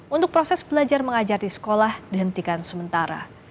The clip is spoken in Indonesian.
untuk proses belajar mengajar di sekolah dihentikan sementara